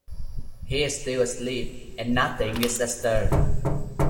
He is still asleep, and nothing is astir.